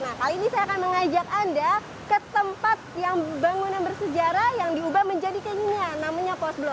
nah kali ini saya akan mengajak anda ke tempat yang bangunan bersejarah yang diubah menjadi kayak gini ya namanya post blok